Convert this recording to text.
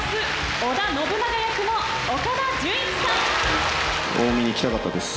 織田信長役の岡田准一さん。